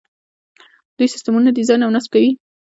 دوی سیسټمونه ډیزاین او نصب کوي.